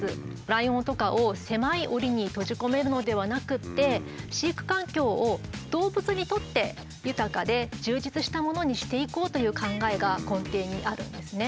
ライオンとかを狭いおりに閉じ込めるのではなくって飼育環境を動物にとって豊かで充実したものにしていこうという考えが根底にあるんですね。